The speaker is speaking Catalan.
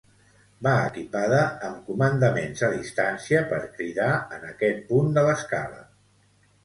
Ve equipada amb comandaments a distància per cridar en aquest punt de l'escala.